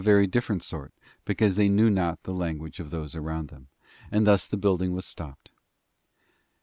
very different sort, because they knew not the language of : those around them, and thts the building was stopped.